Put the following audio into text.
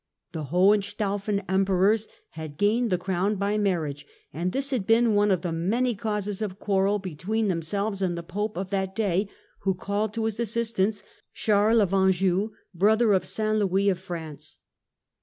The Hohenstaufen Emperors had gained the crown by marriage and this had been one of many causes of quarrel between them selves and the Pope of that day, who called to his as sistance Charles of Anjou, brother of St. Louis of France.